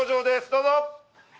どうぞ。